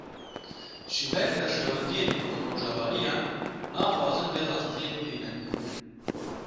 Ji ber berjewendiyên rojavayiyan, naxwazin vê rastiyê bibînin